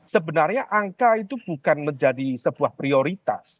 sebenarnya angka itu bukan menjadi sebuah prioritas